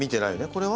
これは。